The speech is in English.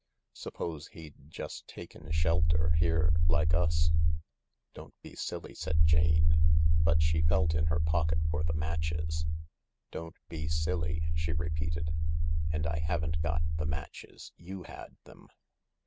Suppose he'd just taken shelter here like us ?" "Don't be silly," said Jane, but she felt in her pocket for the matches. " Don't be silly," she repeated ;" and I haven't got the matches, you had them."